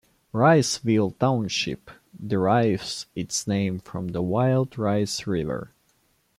Riceville Township derives its name from the Wild Rice River.